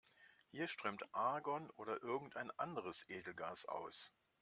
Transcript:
Hier strömt Argon oder irgendein anderes Edelgas aus.